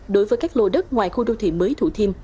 đối với các lô đất ngoài khu đô thị mới thủ thiêm